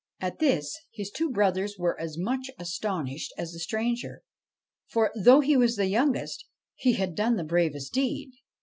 At this his two brothers were as much astonished as the stranger ; for, though he was the youngest, he had done the bravest deed.